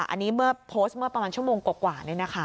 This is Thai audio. อันนี้เมื่อโพสต์เมื่อประมาณชั่วโมงกว่า